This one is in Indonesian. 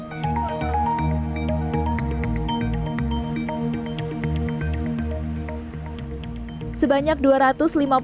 pemudik yang berangkat berharga sekitar rp dua ratus lima puluh